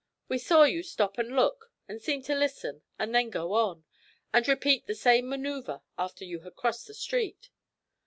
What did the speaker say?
We saw you stop and look, and seem to listen, and then go on, and repeat the same manoeuvre after you had crossed the street.